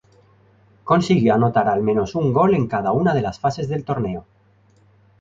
Consiguió anotar al menos un gol en cada una de las fases del torneo.